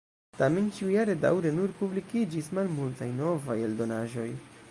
Tamen ĉiujare daŭre nur publikiĝis malmultaj novaj eldonaĵoj.